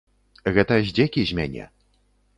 Гэта здзекі з мяне.